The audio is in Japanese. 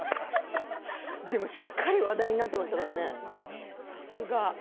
でもしっかり話題になっていましたね、さすが。